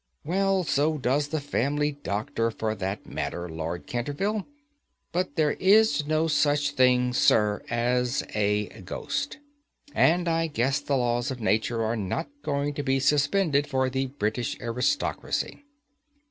"Well, so does the family doctor for that matter, Lord Canterville. But there is no such thing, sir, as a ghost, and I guess the laws of Nature are not going to be suspended for the British aristocracy."